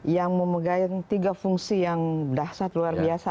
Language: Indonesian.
yang memegang tiga fungsi yang dasar luar biasa